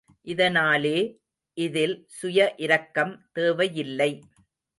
இதனாலே, இதில் சுய இரக்கம் தேவையில்லை.